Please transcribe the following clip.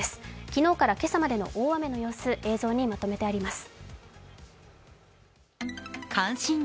昨日から今朝までの大雨の様子、映像にまとめてあります。